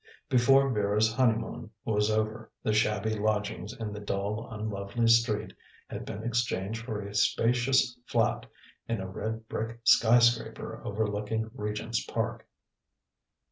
Before Vera's honeymoon was over, the shabby lodgings in the dull, unlovely street had been exchanged for a spacious flat in a red brick sky scraper overlooking Regent's Park.